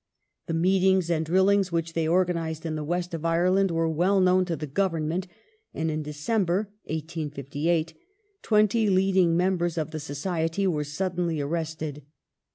The meetings and drillings which they organized in the West of Ire land were well known to the Government, and in December, 1858, twenty leading membei*s of the Society were suddenly arrested.